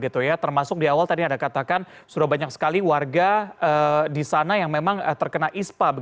termasuk di awal tadi ada katakan sudah banyak sekali warga di sana yang memang terkena ispa